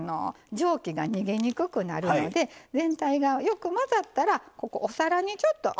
蒸気が逃げにくくなるので全体がよく混ざったらここお皿にちょっと。